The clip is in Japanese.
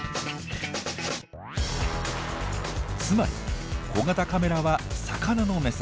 つまり小型カメラは魚の目線。